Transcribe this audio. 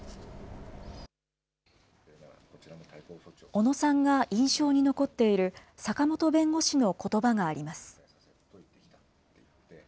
小野さんが印象に残っている坂本弁護士のことばがあります。